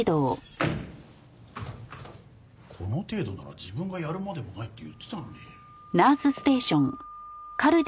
この程度なら自分がやるまでもないって言ってたのに。